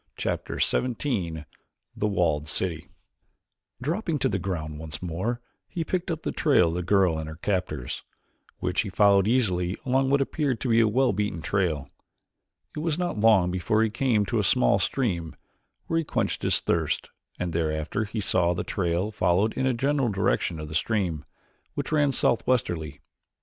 Chapter XVII The Walled City Dropping to the ground once more he picked up the trail of the girl and her captors, which he followed easily along what appeared to be a well beaten trail. It was not long before he came to a small stream, where he quenched his thirst, and thereafter he saw that the trail followed in the general direction of the stream, which ran southwesterly.